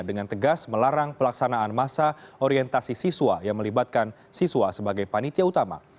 dengan tegas melarang pelaksanaan masa orientasi siswa yang melibatkan siswa sebagai panitia utama